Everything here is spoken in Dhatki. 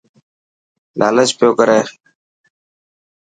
لالچ پيو ڪري.